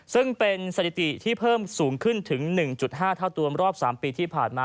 ซึ่งเป็นสถิติที่เพิ่มสูงขึ้นถึง๑๕เท่าตัวรอบ๓ปีที่ผ่านมา